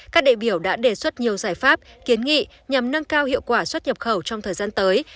các đại biểu đã đề xuất nhiều giải pháp kiến nghị nhằm nâng cao hiệu quả xuất nhập khẩu trong thời gian tới